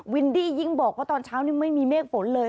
วินดี้ยิ่งบอกว่าตอนเช้านี้ไม่มีเมฆฝนเลย